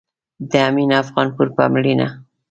د امين افغانپور په مړينه